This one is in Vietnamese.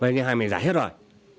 nhân hàng mình giả hết rồi